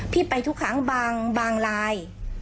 พี่ไปทุกครั้งบางบางลาย